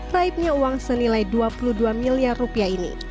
raibnya uang senilai rp dua puluh dua miliar ini